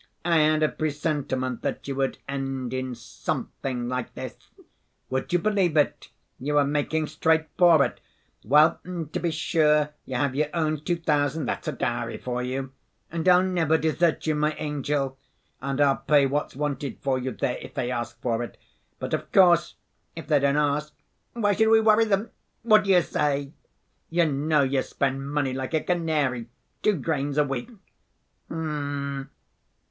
I had a presentiment that you would end in something like this. Would you believe it? You were making straight for it. Well, to be sure you have your own two thousand. That's a dowry for you. And I'll never desert you, my angel. And I'll pay what's wanted for you there, if they ask for it. But, of course, if they don't ask, why should we worry them? What do you say? You know, you spend money like a canary, two grains a week. H'm!...